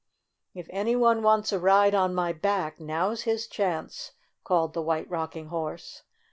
"If any one wants a ride on my back, now's his chance !" called the White Rock ing Horse.